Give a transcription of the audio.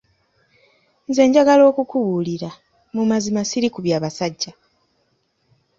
Nze njagala okukubuulira, mu mazima srli ku bya basajja.